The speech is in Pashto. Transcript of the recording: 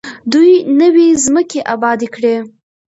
دوی نوې ځمکې ابادې کړې.